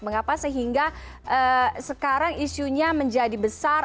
mengapa sehingga sekarang isunya menjadi besar